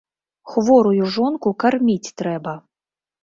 Хворую жонку карміць трэба.